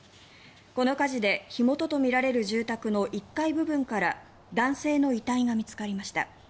この火事で火元とみられる住宅の１階部分から男性の遺体が見つかりました。